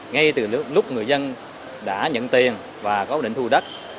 ngay từ lúc người dân đã nhận tiền và cố định thu đất